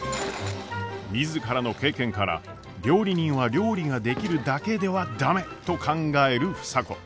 自らの経験から料理人は料理ができるだけでは駄目と考える房子。